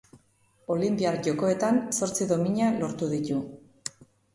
Olinpiar Jokoetan zortzi domina lortu ditu.